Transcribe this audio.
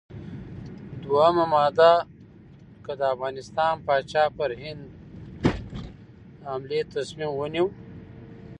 دوهمه ماده: که د افغانستان پاچا پر هند حملې تصمیم ونیو.